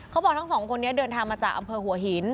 เขาบอกทั้งสองคนนี้เดินทางมาจากอำเภอหัวหิน